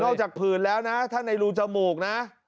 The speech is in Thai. จากผื่นแล้วนะถ้าในรูจมูกนะ